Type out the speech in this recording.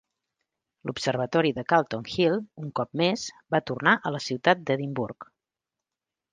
L'Observatori de Calton Hill, un cop més, va tornar a la ciutat d'Edimburg.